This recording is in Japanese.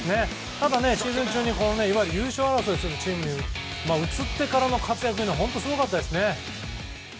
ただ、シーズン中にいわゆる優勝争いをするチームに移ってからの活躍が本当すごかったですね。